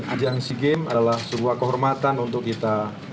ajang sea games adalah sebuah kehormatan untuk kita